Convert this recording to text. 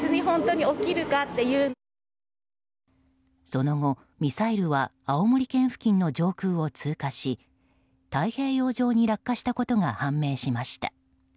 その後、ミサイルは青森県付近の上空を通過し太平洋上に落下したことが判明しました。